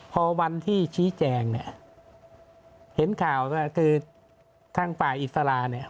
พอวันที่ชี้แจงเนี่ยเห็นข่าวคือทางฝ่าอิสรา